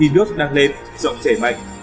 đang lên giọng chảy mạnh